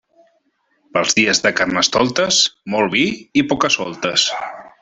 Pels dies de Carnestoltes, molt vi i poca-soltes.